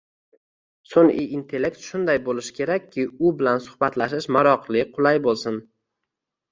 Sunʼiy intellekt shunday boʻlishi kerakki, u bilan suhbatlashish maroqli, qulay boʻlsin.